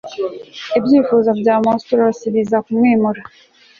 ibyifuzo bya monstrous biza kumwimura